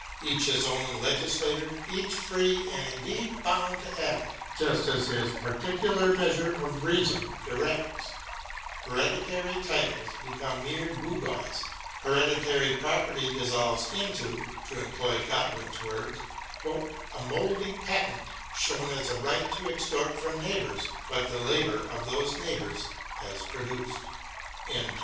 Each his own legislator, each free and indeed bound to act just as his particular measure of reason directs : MARY WOLLSTONECRAFT 85 hereditary titles become mere gewgaws: here ditary property dissolves into— to employ God win's words —" a mouldy patent shewn as a right to extort from neighbours what the labour of those neighbours has produced."